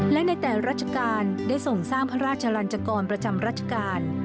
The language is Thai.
และในแต่ราชการได้ส่งสร้างพระราชลันจกรประจำรัชกาล